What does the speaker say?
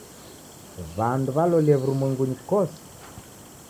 W'andu w'alolie w'urumwengunyi kose.